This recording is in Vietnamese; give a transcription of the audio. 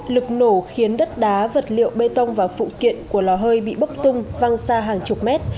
lực nổ khiến đất đá vật liệu bê tông và phụ kiện của lò hơi bị bốc tung văng xa hàng chục mét